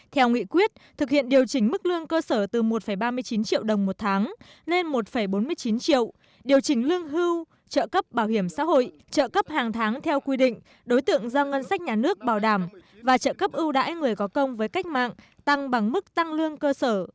theo nghị quyết thực hiện điều chỉnh mức lương cơ sở từ một ba mươi chín triệu đồng một tháng lên một bốn mươi chín triệu điều chỉnh lương hưu trợ cấp bảo hiểm xã hội trợ cấp hàng tháng theo quy định đối tượng do ngân sách nhà nước bảo đảm và trợ cấp ưu đãi người có công với cách mạng tăng bằng mức tăng lương cơ sở